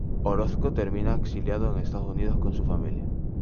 Orozco termina exiliado en los Estados Unidos con su familia.